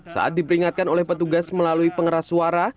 saat diperingatkan oleh petugas melalui pengeras suara